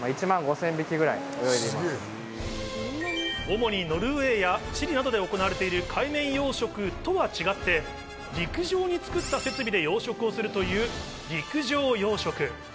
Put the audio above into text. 主にノルウェーやチリなどで行われている海面養殖とは違って、陸上に作った設備で養殖をするという陸上養殖。